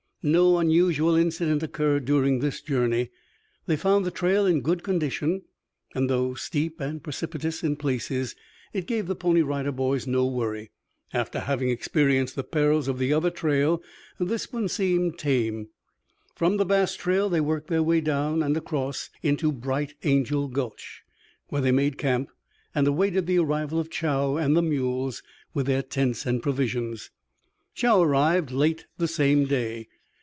No unusual incident occurred during this journey. They found the trail in good condition, and though steep and precipitous in places, it gave the Pony Rider Boys no worry. After having experienced the perils of the other trail, this one seemed tame. From Bass Trail they worked their way down and across into Bright Angel Gulch, where they made camp and awaited the arrival of Chow and the mules with their tents and provisions. Chow arrived late the same day.